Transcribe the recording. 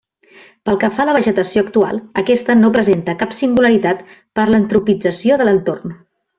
Pel que fa a la vegetació actual, aquesta no presenta cap singularitat, per l'antropització de l'entorn.